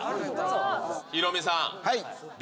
ヒロミさん、Ｂ。